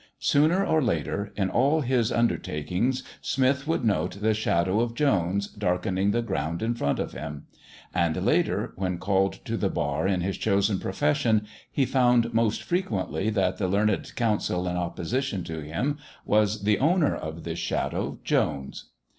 Sooner or later, in all his undertakings, Smith would note the shadow of Jones darkening the ground in front of him; and later, when called to the Bar in his chosen profession, he found most frequently that the learned counsel in opposition to him was the owner of this shadow, Jones.